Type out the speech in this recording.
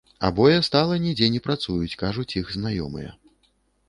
Абое стала нідзе не працуюць, кажуць іх знаёмыя.